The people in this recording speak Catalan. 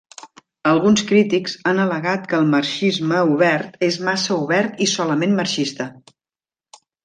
Alguns crítics han al·legat que el marxisme obert és massa obert i solament marxista.